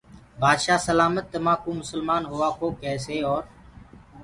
بآدشآه سلآمت تمآنٚڪو مُسلمآن هووآ ڪو ڪيسي اور